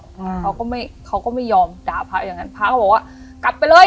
อืมเขาก็ไม่เขาก็ไม่ยอมด่าพระอย่างนั้นพระก็บอกว่ากลับไปเลย